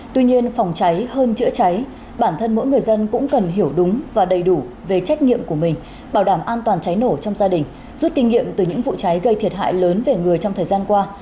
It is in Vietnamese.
tuy nhiên phòng cháy hơn chữa cháy bản thân mỗi người dân cũng cần hiểu đúng và đầy đủ về trách nhiệm của mình bảo đảm an toàn cháy nổ trong gia đình rút kinh nghiệm từ những vụ cháy gây thiệt hại lớn về người trong thời gian qua